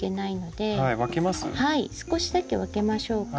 少しだけ分けましょうか。